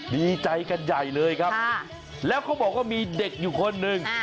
ดีใจกันใหญ่เลยครับแล้วเขาบอกว่ามีเด็กอยู่คนหนึ่ง